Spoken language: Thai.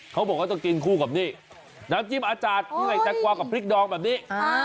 เขาบอกว่าต้องกินคู่กับนี่น้ำจิ้มอาจารย์เหนื่อยแต่กว่ากับพริกดองแบบนี้